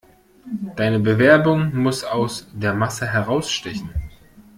Deine Bewerbung muss aus der Masse herausstechen.